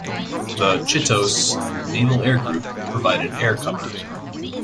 The Chitose Naval Air Group provided air cover.